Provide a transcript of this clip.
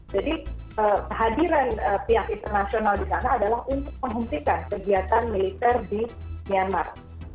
jadi kehadiran pihak internasional di sana adalah untuk menghentikan kegiatan militer di myanmar